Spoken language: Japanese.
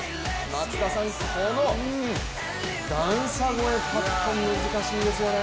松田さん、この段差越えパット難しいですよね。